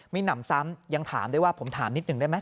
มีหนำซ้ำยังถามได้ว่าผมถามนิดหนึ่งได้ไหม